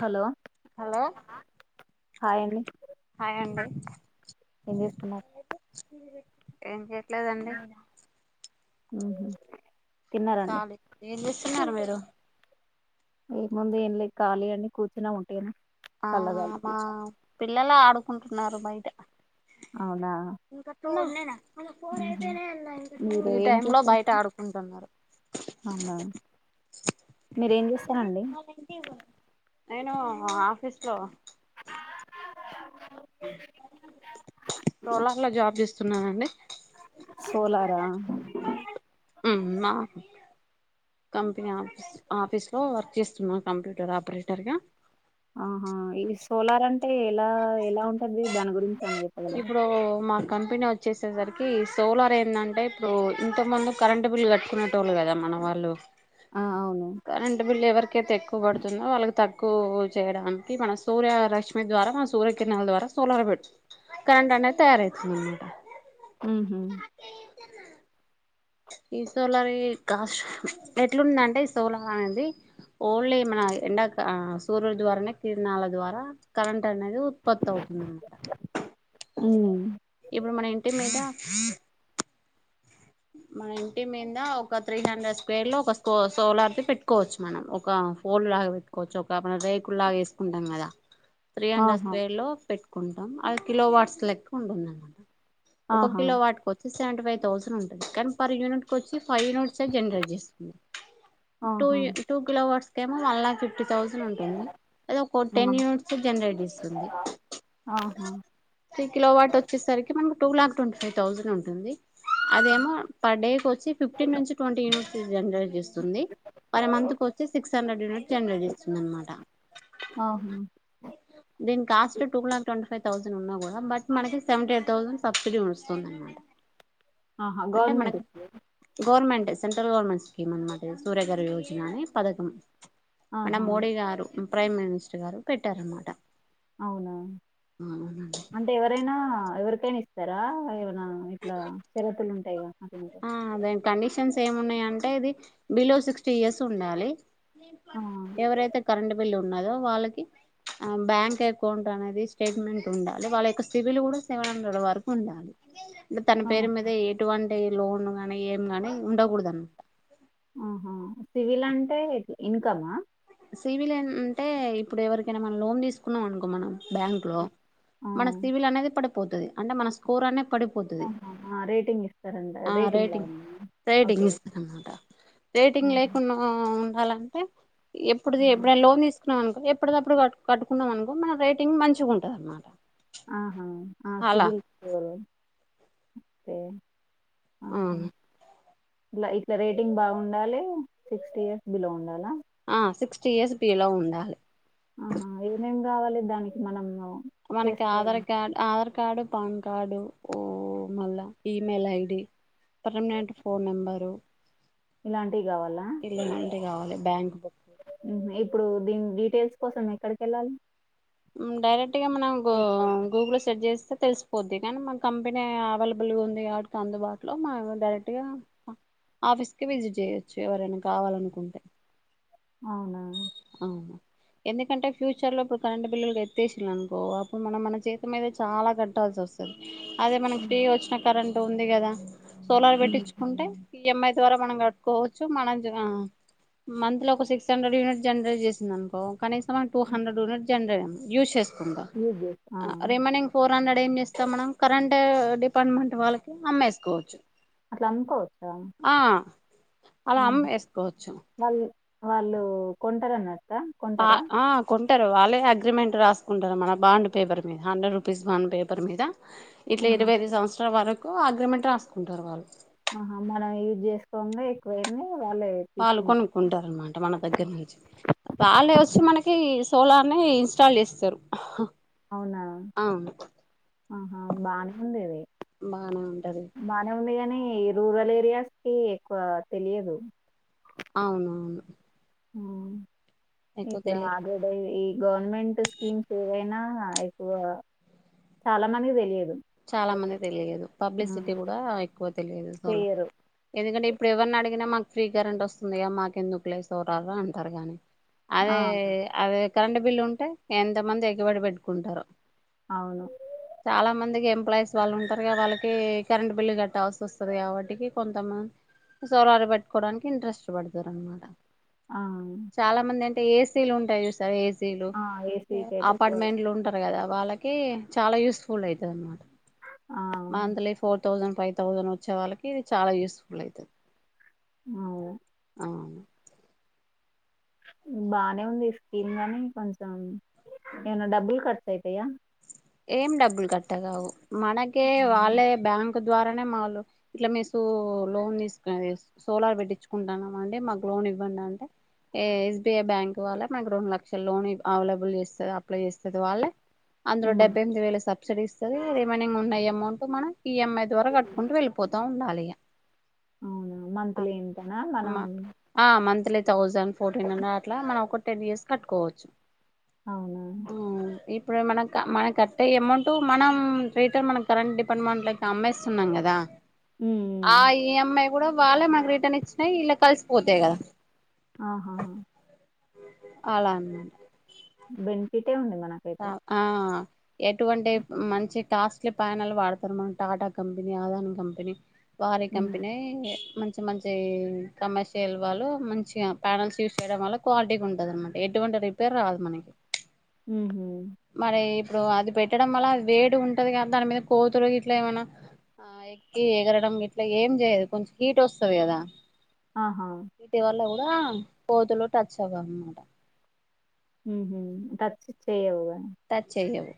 Hello hello hi అండి hi అండి ఏం చేస్తున్నారు ఏం లేదు లేదండి హ్మ్మ్ కాలే ఏం తిన్నార మీరు ఏముంది ఏం లేద్ ఖాళీ అండి కూర్చున ఉట్టిగనే ఆ చల్లగాలికి మా పిల్లలు ఆడుకుంటున్నారు బయట అవునా [inaudible] ఉహు మీరు ఈ ఏం టైం లో చేస్తారు బయట ఆడుకుంటున్నారు అవునా మీరేం చేస్తారండి నేనూ ఆఫ్ ఫీస్లో సోలార్ లో జాబ్ చేస్తున్నానండి సోలారా హ్మ్మ్ మా కంపెనీ ఆఫీస్ ఆఫీస్ లో వర్క్ చేస్తున్నా కంప్యూటర్ ఆపరేటర్ గా ఆహా ఈ సోలార్ అంటే ఎలా ఎలా ఉంటది దాని గురించి ఏమన్నా చెప్పగలరా ఇప్పుడూ మాక్కన్ పినీ వచ్చేసేసరికి సోలార్ ఎందంటే ఇప్పుడూ ఇంతకుముందు కరెంట్ బిల్లు కట్టుకునేటోళ్ళు కదా మన వాళ్ళు ఆ అవును కరెంట్ బిల్లు ఎవర్ ఎక్కువ పడుతుందో వాళ్ళకి తక్ క్ చేయడానికి మన సూర్యరశ్మి ద్వారా మన సూర్యకిరణాల ద్వారా సోలార్ పెడు కరంట్ అనేది తయారైతుందనమాట మ్మ్ హ్మ్ ఈ సోలార్ కాస్ ఎట్లుందంటే ఈ సోలార్ అనేది ఓన్లీ మన ఎండాక సూర్యుని ద్వారానే కిరణాల ద్వారా కరెంట్ అనేది ఉత్పత్తి అవుతుంది అనమాట ఉ ఇప్పుడు మన ఇంటి మీద హా మన ఇంటి మింద ఒక త్రీ హండ్రెడ్ స్క్వేర్ లో ఒక సోలార్ తి పెట్టుకోవచ్చు మనం ఒక ఫోల్ లాగా పెట్టుకోవచ్చు ఒక రేకుల్ లాగా వేసుకుంటాం కదా త్రీ అండ్ హాఫ ఆహా స్వేర్ లో పెట్ కుంటం అవి కిలో వాట్స్ లెక్క ఉంటుందన్నమాట ఒక ఆహా కిలో వాట్కోచ్ సెవెంటీ ఫైవ్ తౌసండ్ ఉం కాని పర్ యూనిట్కొచ్చి ఫైవ్ యూనిట్స్ జనరేట్ చేస్తుంది టూ ఆహా యు టూ కిలోవర్స్ కేమో మళ్ళ ఫిఫ్ ఫిఫ్టీ థౌసేండ్ ఉంటుంది ఏదో ఓకే ఆ టెన్ యూనిట్స్ జనరేట్ ఇస్తుంది ఆహా త్రి కిలో వ్యాట్ ఒచ్చేసరికి మనకి two lakh twenty five thousand ఉంటుంది అదేమో పర్ డే వచ్చి ఫిఫ్టీన్ నుంచి ట్వంటీ యూనిట్స్ జనరేట్ చేస్తుంది పర్ మంత్ వచ్చి సిక్స్ హండ్రెడ్ యూనిట్ జనరేట్ చేస్తుంది అనమాట ఆహా దీని cost two lakh ట్వీ five thousand ఉన్నా కూడా బట్ మనకి సెవెంటీ ఎయిట్ థౌసండ్ సబ్సిడీ వస్తుందనమాట ఆహా అంటే గవర్నమెంట్ మనకు ఇస్తదా గవర్నమెంట్ సెంట్రల్ గవర్నమెంట్ స్కీమ్ అనమాట సూర్యగరయోజన పథకం మన ఆహా మోడి గారు ప్రైమ్ మినిస్టర్ గారు పెట్టారన్నమాట అవునా అంటే ఎవరైనా ఎవరి కైన ఇస్తారా ఇట్లా ఇట్లా తెరతలు ఉన్ తెగ ఆ అదే కండీషన్ సేమ్ ఉన్నా అంటే ఇది బిలో సిక్స్టీ ఇయర్స్ ఉండాలి ఆ ఎవరైతే కరెంట్ బిల్ ఉన్ ఉన్నదో వాళ్ళకి బ్యాంక్ అకౌంట్ అనేది స్టేట్మెంట్ ఉండాలి వాళ్ళ యొక్క సిబిల్ కూడా సెవెన్ హండ్రెడ్ వరకు ఉండాలి తన ఆ పేరు మీద ఎటువం అంటే లోన్ గా ఏం గాని ఉండకూడదనమాట ఆహా సివిల్ అంటే ఇన్కమా సివిలేన్ అంటే ఇప్పుడు ఎవరికైనా మనం లోన్ తీసుకున్నాం అనుకో మనం బ్యాంక్ లో ఆ మన సివిల్ అనేది పడి పోతది అంటే మన స్కోర్ అనే పడిపోతది ఆహా, ఆ రేటింగ్ ఇస్తారంట ఆ రేటింగ్ లాగానా రేటింగ్ ఓకే ఇస్తది అన్న మాట రేటింగ్ ఆహా లేకున్నా. కాలాంటే ఎప్పుడుది ఎప్పుడైనా లోన్ తీసుకున్నవనుకో ఎప్పుటిదప్పుడు కట్ కట్టుకున్నవ్ అనుకో మన రేటింగ్ మంచి గుంటది అనమాట, ఆ అ ఆ అలా సివిల్ స్కోరు తే అవును ఇట్ల ఇట్లా రేటింగ్ బాగుండాలి సిక్స్టీ ఇయర్స్ బిలో ఉండాలా ఆ సిక్స్టీ ఇయర్స్ బిలో ఉండాలి ఆహా ఏమేం కావాలి దానికి మనం మనకి ఆధార్ చేసుకోవాలి card Aadhaar card PAN card మళ్ళా email ID permanent phone number ఇలాంటి టీ కావాలా ఇలాంటివి కావాలి బ్యాంక్ బుక్ హుహ్ ఇప్పుడు దీని డీటెయిల్స్ కోసం ఎక్కడికి ఎళ్ళాలి హ్మ్ డైరెక్ట్ గా మనం గూగుల్ ల సెర్చ్ చేసి తెలిసిపోద్ది కానీ మా కంపెనీ అవైలబుల్గా ఉంది అడ్కి అందుబాటులో మా డైరెక్ట్గా ఆఫీస్కి విజిట్ చేయచ్చు ఎవరైనా కావాలనుకుంటే అవునా అవును ఎందుకంటే ఫ్యూచర్ లో ఇప్పుడు కరెంటు బిల్లులు ఎత్తేసిల్లు అనుకో అప్పుడు మనం మన చేతి మీదే చాలా కట్టాల్సివస్తది అదే మనకి హ్మ్ ఫ్రీ వచ్చిన కరెంట్ ఉంది గదా సోలార్ హ్మ్ పెట్టిచ్చుకుంటే ఈ ఎం ఐ ద్వారా మనం కట్టుకోవచ్చు మనం జాం మంత్ లో ఒక సిక్స్ హండ్రెడ్ యూనిట్ జనరేట్ చేసింది అనుకో కనీసం మనం టూ హండ్రెడ్ యూనిట్ జనరే యూజ్ చేస్ యూజ్ చేస్ ఆ! రిమైనింగ్ ఫోర్ టూ హండ్రెడ్ ఏం చేస్తాం మనం కరెంట్ డిపార్ట్మెంట్ వాళ్ళకి అమ్మేసుకోవచ్చు అట్లా అమ్ముకోవచ్చా? ఆ అలా అం ఆహా! ఏసుకోవచ్చు వాళ్ళు వాళ్ళు కొంటరు అన్నా ఆ ఆ కొన్ టారు వాళ్ళే అగ్రిమెంట్ రాసుకుంటరు మన బాండ్ పేపర్ మీద హండ్రెడ్ రూపీస్ బాండ్ పేపర్ మీద ఇట్ల ఆహా! ఇరవై ఐదు సంవత్సరాల వర కు అగ్రిమెంట్ రాసుకుంటారు వాళ్ళు ఆహా మనం యూజ్ చేసుకోంగా ఎక్కువైంది వాళ్ళు కొనుక్కుంటార అనమాట మన దగ్గర నుంచి వాళ్లే ఒచ్చి మనకి సోలార్ని ఇన్స్టాల్ చేస్తారు అవునా అవును ఆహా బానే ఉంది ఇది బానే ఉంటది బానే ఉంది గ అనీ రూరల్ ఏరియాస్ కి ఎక్కువ తెలియదు అవునవును ఊమ్ ఎక్కువ ఇట్లా తెలియ అ గొడ పొయి గవర్నమెంట్ స్కీమ్స్ ఏవైనా ఎక్కువ చాలా మందికి తెలియదు చాలా మంది తెలియదు పబ్లిసిటీ హ్మ్. కూడా ఎక్కువ తెలియదు సోలర్ చెయ్యరు. ఎందుకంటే ఏప్ ప్పుడు ఎవరిని అడిగినా మాకు ఫ్రీ కరెంట్ వస్తుందిగా మాకు ఎందుకులే సొరర్ అంటారు గానీ ఆ! అదే అదే కరెంటూ బిల్ ఉంటే ఎంత మంది ఎగబడి పెట్టుకుంటారో అవును. చాలా మంది ఎంప్లాయస్ వాళ్ళు ఉంటారు కద వాళ్ళకి కరెంటు బిల్లు కట్ట అవస్తోస్తది కాబట్టి కొంతమంది సోలర్ పెట్టుకోవడానికి ఇంట్రెస్ట్ చూపేడతారనమాట ఆ ఏసీలుంటాయి చూ సా ఏసి సిలు ఆ యా ఏసీకి అయితే ట్వెల్వ్ అపార్ట్మెంట్లు ఉంటరు కదా వాళ్ళకి చాలా యూస్ఫుల్ ఐతది అన్నమాట ఆ monthly four thousand five thousand వచ్చే వాళ్ళకి ఇది చాలా యూస్ఫుల్ ఐతది అవును ఆ బానే ఉంది ఈ స్కీమ్ గాని కొంచెం ఏమనా డబ్బులు ఖర్చఐతయా ఏం డబ్బులు కట్టగావు మనకే వాళ్ళే బ్యాం ంక్ తద్వారానే మాళు ఇట్లా మీ సూ లోన్ తీసుక్ తీస్ సోలార్ పెట్టించుకుంటున్నాం అండి మాకు లోన్ ఇవ్వండి అంటే ఏ ఎస్బీఐ బ్యాంక్ వాళ్ళ మాకు రొండు లక్షల లోన్ అవైలబుల్ చేస్తది అప్లై చేస్తది వాళ్ళే ఉమ్ అంద్రుడబ్ ఎనిమిది వేల సబ్సిడీ ఇస్తది రెమైనింగ్ వున్నా అమౌంట్ మనం ఈఎంఐ ద్వార కట్టుకుంటూ వెళ్ళిపోతా ఉండాలి య అవునా మంత్లీ ఇంతనా మనం ఆ మంత్లీ థౌజండ్ ఫోర్టీన్ అండ్రడ్ అట్లా మనం ఒక టెన్ ఇయర్స్ కట్టుకోవచ్చు అవునా త మనకస్ అంటే అమౌంట్ మనం రీటన్ మనం కరెంట్ డిపార్ట్మెంట్లకి అమ్మేస్తున్నాం కదా ఆ ఉమ్ ఈ ఎం ఐ కూడా వాళ్ళే మకు రిటర్న్ ఇచ్చినాయి ఇల కలిసిపోతాయి కదా ఆహా అలా అన్ బెన్ఫిట్ ఆ ఎటువంటైప్ మంచి టాస్లీ ప్యానాలు వాడతారు మనం టాటా కంపెనీ ఆదాన్ కంపెనీ వారి ఉమ్ కంపెనే మం మంచి మంచి కమర్షియల్ వాళ్ళు మంచిగా ప్యానల్స్ యూజ్ చేయడం వల్ల క్వాలిటీగా ఉంటంది అనమాట ఎటువంటి రిపేర్ రాదు మనకి ఉహు మరి ఇప్పుడు అది పెట్టడం వల్ల అది వేడి ఉంటది కా దాని మీద కోతులు ఇట్లా ఏమైనా ఆ ఎక్కి ఎగరడం ఇట్లా ఏం చేయదు కొంచెం హీట్ వస్తది కదా ఆహా వీటి వల్ల కోతులు టచ్ అవవనమాట ఉహు తచ్చి చేయవుగా టచ్ చేయవు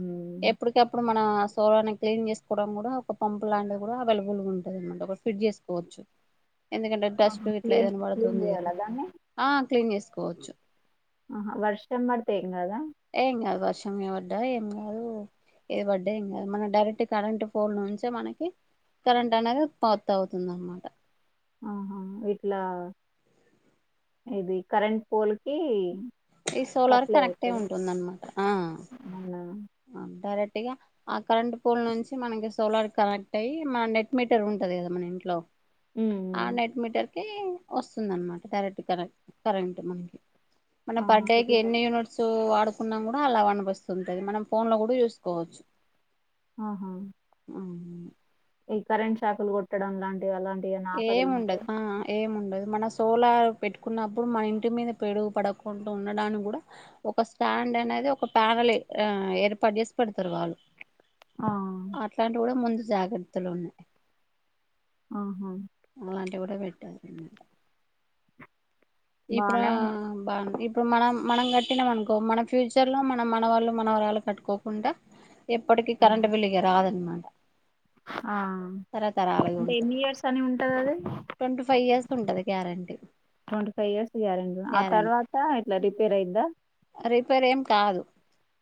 ఉమ్ ఎప్పుడుకప్పుడు మ నా సోలార్ ని క్లీన్ చేసుకోవడం కూడా ఒక పంప్ లాంటివి కూడా అవైలబుల్ గా ఉంటది అనమాట ఒక ఫిట్ చేసుకోవచ్చు ఎందుకంటే ఆహా డస్ట్ ఇట్లా క్లీన్ ఏదైనా క్లీన్ పడుతుంది కదా చేయాలా దాన్ని ఆ క్లీన్ చేసుకోవచ్చు ఆహ వర్షం బడితే ఏం గాదా ఏం కాదు వర్షం ఇ పడ్డా ఏం కాదు ఇది పడ్డ ఏం కాదు వర్షమే వడ్డ ఏం కాదు ఎవడ్డ ఏం గాదు మన డైరెక్ట్ కరెంట్ ఫోన్ నుంచే మనకి కరెంట్ అనేది ఉత్పత్తి అవుతుంది అనమాట ఆహా ఇట్లా ఇది కరెంట్ పోల్కి ఈ సోలార్ సప్లై కనెక్ట్ అయ్ అవుతది ఉంటుందనమాట అవునా ఆ డైరెక్ట్ గా ఆ కరెంట్ పోల్ నుంచి మనకి సోలార్ కనెక్ట్ అయ్యి మన నెట్ మీటర్ ఉంటది కదా మన ఇంట్లో ఆ హ్మ్. నెట్ మీటర్ కీ వస్తుందన్నమాట డైరెక్ట్ కరె కరెంట్ మనకి మన పర్ ఆహా! డే కి ఇట్లా ఎన్ని యూనిట్స్ వాడు కున్నా కూడా అలా వనిపిస్తుంటయ్ మనం ఫోన్ ల కూడా యూసుకోవచ్చు ఆహా ఈ కరెంట్ శాకులు కొట్టడం లాంటివి అలాం ఏము ఉండదు ఆ ఏము ఉండదు మన సోలార్ పెట్టుకున్నప్పుడు మన ఇంటి మీద పెడుగు పడకుండా ఉండడానికి కూడా ఒక స్టాండ్ అనేది ఒక ప్యానల్ ఏ ఏర్పాటు చేసి పెడతారు వాళ్ళు ఆ! అట్లాంటి కూడా ముందు జాగ్రత్తలు ఉన్నాయి ఆహా అలాంటివి కూడా పెట్టాల్సిందే ఇప్పుడ బానే ఉంది. బాంది ఇప్పుడు మనం మనం కట్టినాం అనుకో మన ఫ్యూచర్ లో మనం మన వళ్ళు మనవరాళ్లు కట్టుకోకుండా ఎప్పటికీ హ్మ్. కరెంటు బిల్ ఇగ రాదనమాట ఆ తరతరాలుగా అంటే ఉంటది ఎన్ని ఇయర్స్ అని ఉంటది అది ట్వంటీ ఫైవ్ ఇయర్స్ ఉంటది guarantee twenty five years guarantee ఆ గ్యారంటీ తర్వాత ఇట్లా రిపేర్ అయిద్దా రిపేరేం కాదు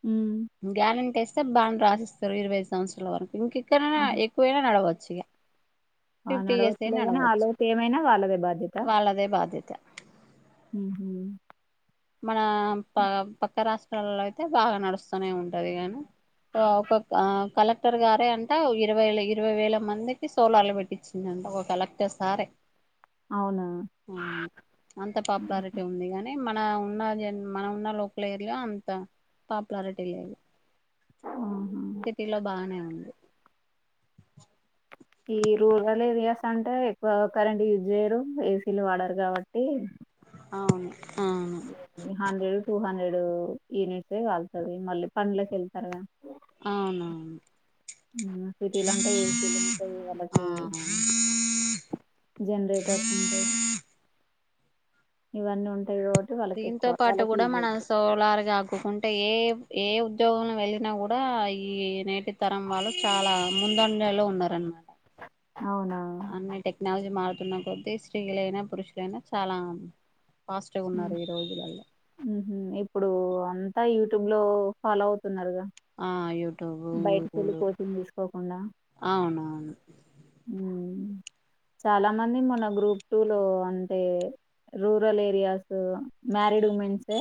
హ్మ్. గ్యారెంటీ ఇస్ స్తరు బాండ్ రాసిస్తారు ఇరవైఐదు సంవత్సరాల వరకు ఇంకె కన్నా ఆహా! ఎక్కువైనా నడవచ్చు చ్చిగా ఆ నడవచ్చులేగానీ ఆ లోపు ఏమైనా వాళ్ళదే బాధ్యత ఇక ఊహు మన ప పక్క రాష్ట్రాలో అయితే బాగా నడుస్తూనే ఉంటది గానీ ఒక కలెక్టర్ గారే అంటే ఇరవై ఇరవై వేల మందికి సోలార్లు పెట్టించిన్నంట ఒక కలెక్టర్ సారే అవునా? అంత పాపులారిటీ ఉంది గానీ మ మన ఉన్న జన్ మనం ఉన్న లోకల్ ఏరియా లో అంత పాపులారిటీ లేదు ఆహా సిటీలో [inaudible] ఈ రూరల్ ఏరియాస్ అంటే ఎక్కువ కరెంట్ యూజ్ జెయ్యరు ఏసీలు వాడరు కాబట్టి అవును అవును హండ్రెడు టూ హం డ్రెడు యూనిట్సే కాల్తాది వె మళ్ళీ పండ్లకి వెళ్తారుగా అవునవును సిటీలో అంటే ఏసి లు ఉంటాయి వాళ్ళకి ఆ జనరేటర్స్ ఉంటాయి ఇవన్నీ ఉం దీంతో పాటు కూడా మనం సోలారుగా పెట్టుకుంటే ఏ ఏ ఉద్యోగంలో వెళ్ళినా కూడా ఈ నేటి తరం వాళ్ళు చాలా ముందంజలో ఉన్నారనమాట అవునా అన్ని టెక్నాలజీ మార్ తున్న కొద్దీ స్త్రీలయినా పురుషులైనా చాలా ఫాస్టు గున్నారు ఈ రోజులల్లో ఇప్పుడు అంతా యూట్యూబ్ లో ఫాలో అవుతున్నారుగా ఆ యు బయటికి ఎళ్ళి కోచింగ్ తీసుకోకుండా అవునవును చాలా మంది మొన్న గ్రూప్ టూ లో అంటే రూరల్ ఏరియాసూ మ్యారీడ్ ఉమెన్సే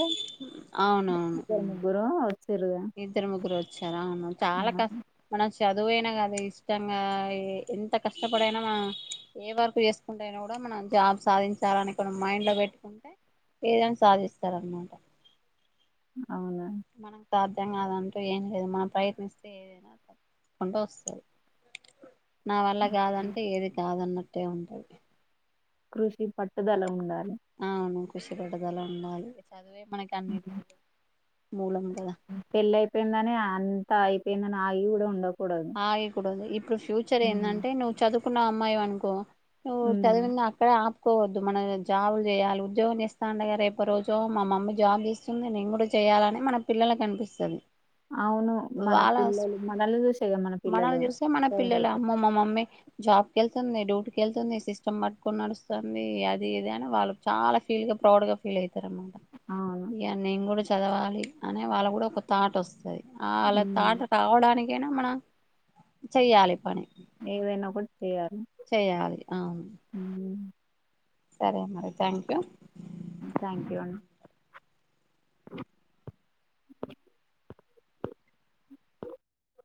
అవునవును ఇద్దరు ముగ్గురు వచ్చిరుగా ఇద్దరు ముగ్గురు వచ్చారా చాలా కష్ చదువైనా కాదు ఇష్టంగా ఎంత కష్టపడైనా మనం ఏ వర్క్ చేసుకుంటే అయినా కూడా మనం జాబ్ సాధించాలని మైండ్లో పెట్టుకుంటే ఏదైనా సాధిస్తారన్నమాట అవునా మనకు సాధ్యం కాదంటూ ఏం లేదు మనం ప్రయత్నిస్తే ఏదైనా తప్పకుండు వస్తది నా వల్ల కాదంటే ఏది కాదన్నటు టే ఉంటది కృషి పట్టుదల ఉండాలి [inaudible] అవును కృషి పట్టదల ఉండాలి చదువే మనకి అన్నిటికి మూలం కదా పెళ్లి అయిపోయిందని అంతా అయిపోయిందని ఆగి కూడా ఉండకూడదు ఆ ఇప్పుడు ఇప్పుడు ఫ్యూచర్ ఉమ్ ఏంటంటే నువ్వు చదు కున్నా అమ్మాయి అనుకో నువ్వు ఉమ్, చదివింది అక్కడ పోవద్దు మనం జాబులు చేయాలి ఉద్యోగం చేస్తా ఉండగా రేపు రోజు మా మమ్మీ జాబ్ చేస్తుంది నేను కూడా చేయాలని మన పిల్లలకు అనిపిస్తది అవును మన వాళ్ళ పిల్లల మనల్ చూసే కదా మనల్ని చూస్తే మన పిల్లలు అమ్మో మా మమ్మీ జాబ్ వెళ్తుంది డ్యూటీకి వెళ్తుంది సిస్టమ్ పట్టుకుని నడుస్తుంది అది ఇది అని వాళ్ళు చాల ఫీల్ గా ప్రౌడ్ గా ఫీల్ అయి తరను మాట అవును నేను కూడా చదవాలి అనే వాళ్ల కూడా ఒక థాట్ వస్తది అలా ఉమ్, థాట్ రావడాని ఏనా మన చేయాలి పని ఏదైనా ఒకటి చేయాలి చేయాలి అవును సరే మరి థ్యాంక్ యూ థాంక్యూ అండి [inaudible]